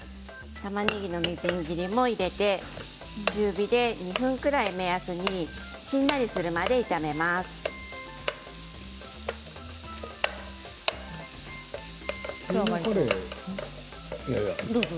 たまねぎのみじん切りも入れて中火で２分ぐらいを目安にしんなりするぐらい炒めてください。